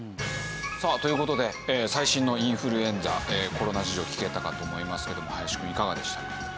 さあという事で最新のインフルエンザコロナ事情聞けたかと思いますけども林くんいかがでしたか？